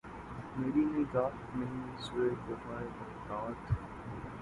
مری نگاہ نہیں سوئے کوفہ و بغداد